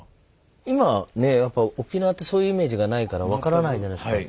今ねやっぱ沖縄ってそういうイメージがないから分からないじゃないすか。